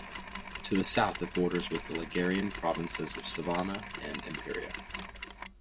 To the south it borders with the Ligurian provinces of Savona and Imperia.